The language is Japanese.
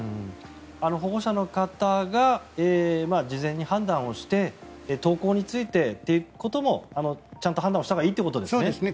保護者の方が事前に判断して登校についてということもちゃんと判断をしたほうがいいということですね。